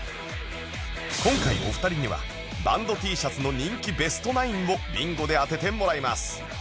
今回お二人にはバンド Ｔ シャツの人気ベスト９をビンゴで当ててもらいます